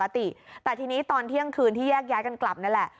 แต่ทีนี้ตอนเที่ยงคืนที่แยกย้ายกันกลับนั่นแหละ